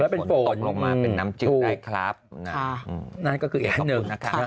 เป็นฝนตกออกมาเป็นน้ำจืดได้ครับค่ะขอบคุณค่ะนั่นก็คืออีกอันหนึ่ง